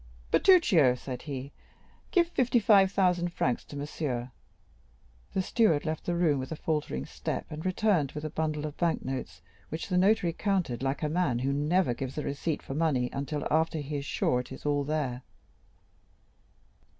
"Bertuccio," said he, "give fifty five thousand francs to monsieur." The steward left the room with a faltering step, and returned with a bundle of bank notes, which the notary counted like a man who never gives a receipt for money until after he is sure it is all there.